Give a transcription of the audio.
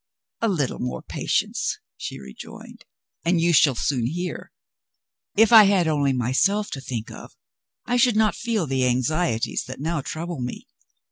"A little more patience," she rejoined; "and you shall soon hear. If I had only myself to think of, I should not feel the anxieties that now trouble me.